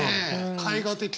絵画的な。